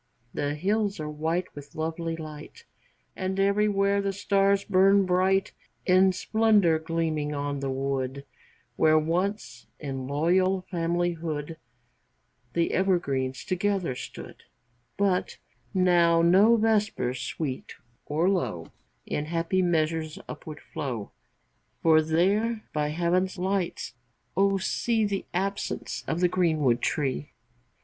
III. The hills are white with lovely light, And everywhere the stars burn bright In splendor gleaming on the wood, Where once, in loyal familyhood, The evergreens together stood, But now no vespers, sweet or low, In happy measures upward flow, For there by Heaven's lights, O see The absence of the greenwood tree!